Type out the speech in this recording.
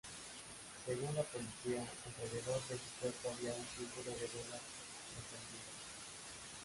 Según la policía, alrededor de su cuerpo había un círculo de velas encendidas.